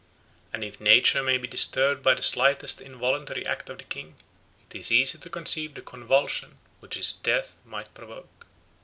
And if nature may be disturbed by the slightest involuntary act of the king, it is easy to conceive the convulsion which his death might provoke.